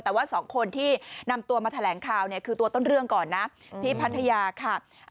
แต่ว่าสองคนที่นำตัวมาแถลงข่าวเนี่ยคือตัวต้นเรื่องก่อนนะที่พัทยาค่ะ